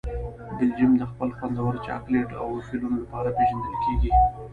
بلجیم د خپل خوندور چاکلېټ او وفلونو لپاره پېژندل کیږي.